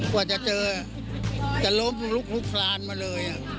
กว่าจะเจอจะล้มลุกลุกคลานมาเลย